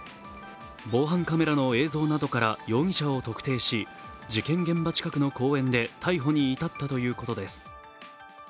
防犯カメラの映像などから、容疑者を特定し、事件現場近くの公園で逮捕に至ったということです。